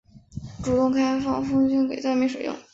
主动开放空间给灾民使用